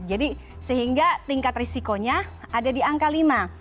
jadi sehingga tingkat risikonya ada di angka lima